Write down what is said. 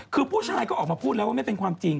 คือผู้ชายก็ออกมาพูดแล้วว่าไม่เป็นความจริง